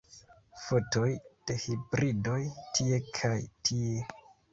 Fotoj de hibridoj tie kaj tie.